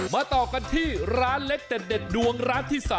ต่อกันที่ร้านเล็กเด็ดดวงร้านที่๓